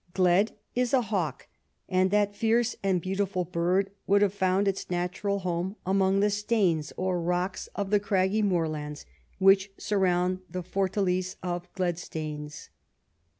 Gled is a hawk, and that fierce and beautiful bird would have found its natural home among the stanes, or rocks, of the craggy moorlands which surround the fortalice of Gledstanes."